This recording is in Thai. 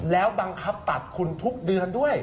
แล้วบังคับตัดคุณทุกเดือนด้วย